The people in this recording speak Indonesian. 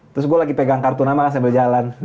terus gue lagi pegang kartu nama sambil jalan